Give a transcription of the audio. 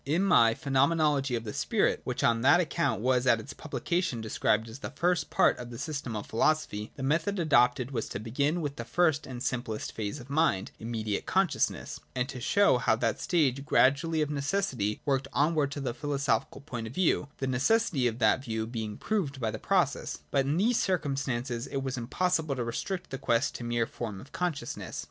In my Phenomenology of the Spirit, which on that account was at its publication described as the first part of the System of Philosophy, the method adopted was to begin with the first and simplest phase of mind, im mediate consciousness, and to show how that stage gradually of necessity worked onward to the philoso phical point of view, the necessity of that view being proved by the process. But in these circumstances it was impossible to restrict the quest to the mere form of consciousness.